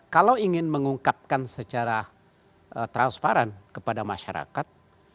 kalau ingin mengungkapkan secara transparan kepada masyarakat